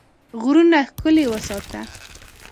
غرونه ښکلي وساته.